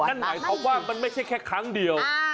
นั่นหมายความว่ามันไม่ใช่แค่ครั้งเดียว